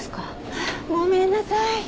ごめんなさい。